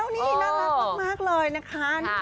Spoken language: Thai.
นี่น่ารักมากเลยนะคะ